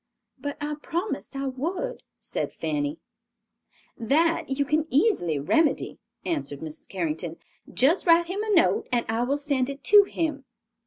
"But I promised I would," said Fanny. "That you can easily remedy," answered Mrs. Carrington. "Just write him a note and I will send it to him."